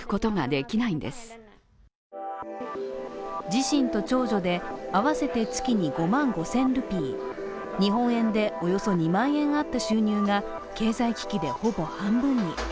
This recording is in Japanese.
自身と長女で合わせて月に５万５０００ルピー、日本円でおよそ２万円あった収入が経済危機でほぼ半分に。